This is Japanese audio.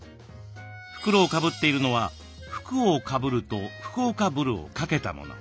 袋をかぶっているのは「福をかぶる」と「福岡ぶる」をかけたもの。